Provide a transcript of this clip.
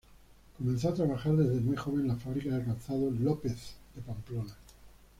Comenzó a trabajar desde muy joven en la fábrica de calzados López de Pamplona.